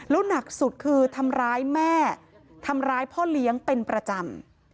แล้วหนักสุดคือทำร้ายแม่ทำร้ายพ่อเลี้ยงเป็นประจำ